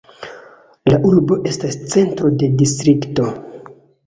La urbo estas centro de distrikto.